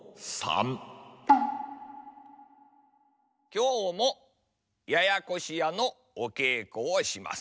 きょうも「ややこしや」のおけいこをします。